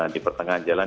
di pertengahan jalan